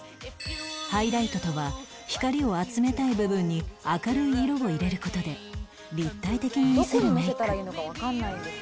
ハイライトとは光を集めたい部分に明るい色を入れる事で立体的に見せるメイク